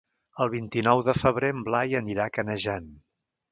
El vint-i-nou de febrer en Blai anirà a Canejan.